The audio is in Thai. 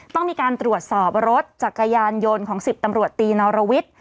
ต้องมีการตรวจสอบรถจักรยานยนต์ของ๑๐ตำรวจตีนอรวิทย์